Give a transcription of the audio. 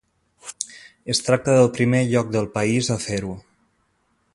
Es tracta del primer lloc del país a fer-ho.